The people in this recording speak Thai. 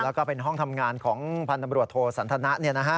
แล้วก็เป็นห้องทำงานของพันธุ์ตำรวจโทษธนะเนี่ยนะฮะ